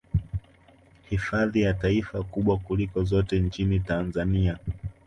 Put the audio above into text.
Hifadhi ya taifa kubwa kuliko zote nchini Tanzania